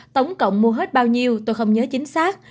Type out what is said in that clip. tổng cộng mua hết bao nhiêu tôi không nhớ chính xác